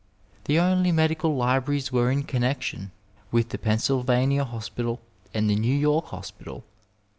The only medical libraries were in connexion with the Pennsylvania Hospital and the New York Hospital.